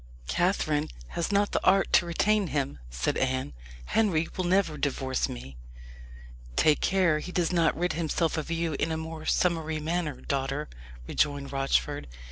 "Catherine has not the art to retain him," said Anne. "Henry will never divorce me." "Take care he does not rid himself of you in a more summary manner, daughter," rejoined Rochford.